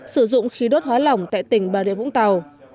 sử dụng khí đốt hóa lỏng tại tỉnh bà rịa vũng tàu